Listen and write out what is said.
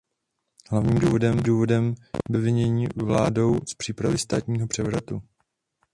Hlavním důvodem bylo jeho obvinění vládou z přípravy státního převratu.